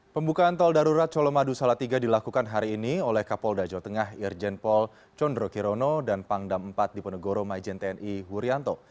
pembukaan tol darurat colomadu salatiga dilakukan hari ini oleh kapolda jawa tengah irjen pol condro kirono dan pangdam empat di ponegoro majen tni hurianto